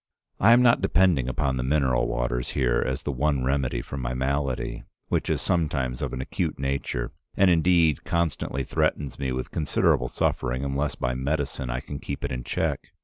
"I am not depending upon the mineral waters here as the one remedy for my malady, which is sometimes of an acute nature, and indeed constantly threatens me with considerable suffering unless by medicine I can keep it in check.